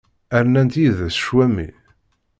Rnant yid-s cwami.